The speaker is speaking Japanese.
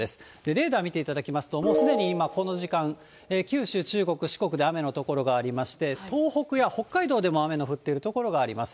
レーダー見ていただきますと、もうすでに今、この時間、九州、中国、四国で雨の所がありまして、東北や北海道でも雨の降っている所があります。